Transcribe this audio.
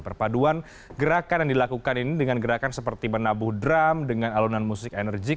perpaduan gerakan yang dilakukan ini dengan gerakan seperti menabuh drum dengan alunan musik enerjik